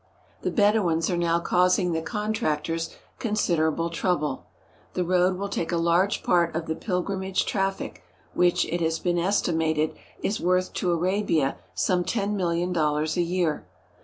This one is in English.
The Bedouins are now causing the contractors consid erable trouble. The road will take a large part of the pilgrimage traffic, which, it has been estimated, is worth to Arabia some ten million dollars a year.